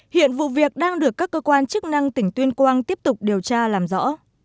hiện vụ việc đang được các cơ quan chức năng tỉnh tuyên quang tiếp tục điều tra làm rõ